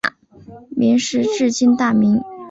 明时治今大名。